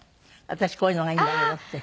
私こういうのがいいんだけどって。